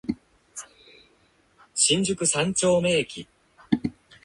新宿三丁目駅